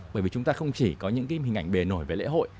bởi vì chúng ta không chỉ có những cái hình ảnh bề nổi về lễ hội